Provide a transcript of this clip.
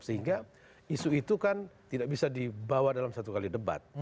sehingga isu itu kan tidak bisa dibawa dalam satu kali debat